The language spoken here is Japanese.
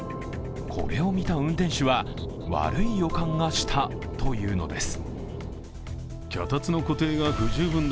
これを見た運転手は悪い予感がしたというのです。